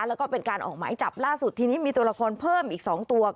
แล้วก็เป็นการออกหมายจับล่าสุดทีนี้มีตัวละครเพิ่มอีก๒ตัว